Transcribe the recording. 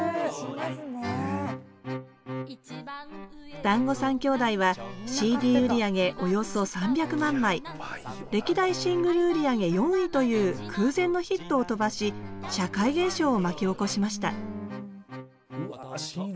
「だんご３兄弟」はＣＤ売り上げおよそ３００万枚歴代シングル売り上げ４位という空前のヒットを飛ばし社会現象を巻き起こしましたうわＣＤ